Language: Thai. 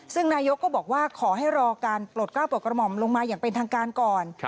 ซึ่งนายกก็บอกว่าขอให้รอการปลดกล้าปลดกระหม่อมลงมาอย่างเป็นทางการก่อน